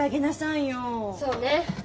そうね。